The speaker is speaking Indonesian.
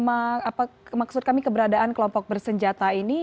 apa maksud kami keberadaan kelompok bersenjata ini